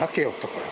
これ。